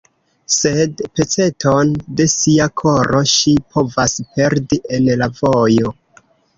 Sed peceton de sia koro ŝi povas perdi en la vojo.